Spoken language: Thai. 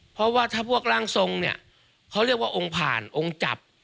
เพราะว่าถ้าพวกร่างทรงเนี่ยเขาเรียกว่าองค์ผ่านองค์จับ